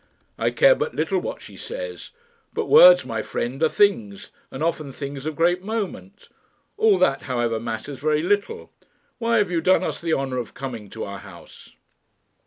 "I care but little what she says. But words, my friend, are things, and are often things of great moment. All that, however, matters very little. Why have you done us the honour of coming to our house?"